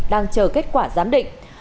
đang chờ kết quả giám định